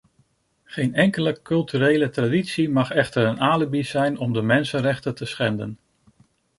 Geen enkele culturele traditie mag echter een alibi zijn om de mensenrechten te schenden.